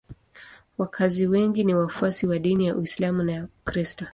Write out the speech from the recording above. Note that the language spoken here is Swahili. Wakazi wengi ni wafuasi wa dini ya Uislamu na ya Ukristo.